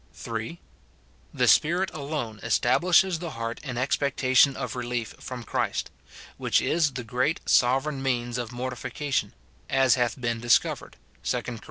The Spirit alone establishes the heart in expecta tion of relief from Christ ; which is the great sovereign means of mortification, as hath been discovered, 2 Cor.